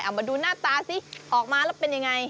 เอามาดูหน้าตาสิออกมาแล้วเป็นยังไง